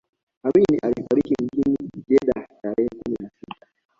amini alifariki mjini jeddah tarehe kumi na sita